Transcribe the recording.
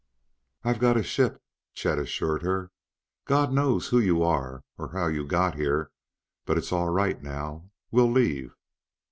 "I've got a ship," Chet assured her. "God knows who you are or how you got here, but it's all right now. We'll leave."